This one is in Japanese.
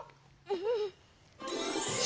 うん！